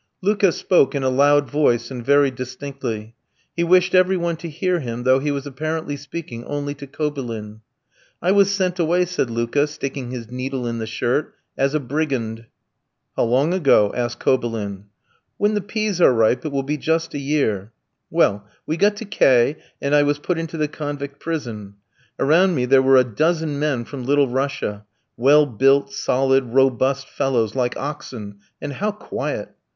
Luka spoke in a loud voice and very distinctly. He wished every one to hear him, though he was apparently speaking only to Kobylin. "I was sent away," said Luka, sticking his needle in the shirt, "as a brigand." "How long ago?" asked Kobylin. "When the peas are ripe it will be just a year. Well, we got to K v, and I was put into the convict prison. Around me there were a dozen men from Little Russia, well built, solid, robust fellows, like oxen, and how quiet!